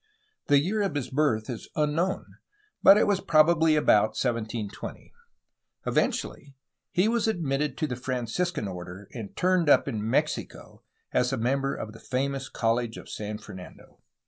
The year of his birth is unknown, but it was probably about 1720. Eventually, he was admitted to the Franciscan order, and turned up in Mexico as a member of the famous College of San Fernando.